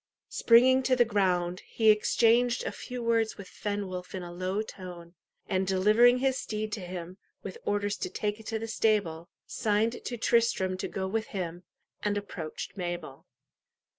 Springing to the ground, he exchanged a few words with Fenwolf in a low tone, and delivering his steed to him, with orders to take it to the stable, signed to Tristram to go with him, and approached Mabel.